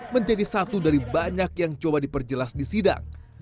menjadi satu dari banyak yang coba diperjelas di sidang